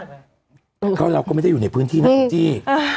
บ๊วยเก้าเราก็ไม่ได้อยู่ในพื้นที่นะสังเจย์